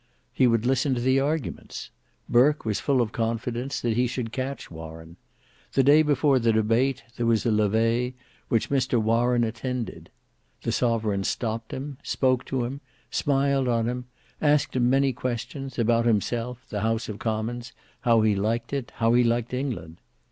He would listen to the arguments. Burke was full of confidence that he should catch Warren. The day before the debate there was a levee, which Mr Warren attended. The sovereign stopped him, spoke to him, smiled on him, asked him many questions: about himself, the House of Commons, how he liked it, how he liked England.